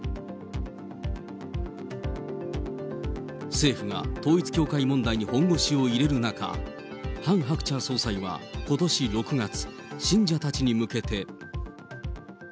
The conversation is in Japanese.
政府が統一教会問題に本腰を入れる中、ハン・ハクチャ総裁はことし６月、信者たちに向けて。